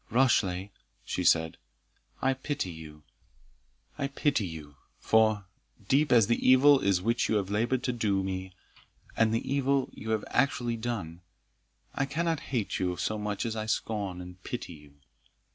"Rashleigh," she said, "I pity you for, deep as the evil is which you have laboured to do me, and the evil you have actually done, I cannot hate you so much as I scorn and pity you.